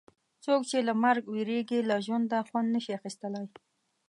څوک چې له مرګ وېرېږي له ژونده خوند نه شي اخیستلای.